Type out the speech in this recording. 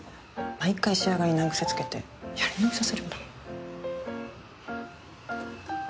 毎回仕上がりに難癖つけてやり直しさせるんだもん。